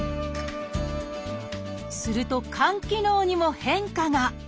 すると肝機能にも変化が。